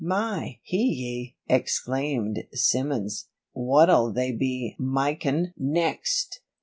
"My heye!" exclaimed Simmons, "wot'll they be mykin' next!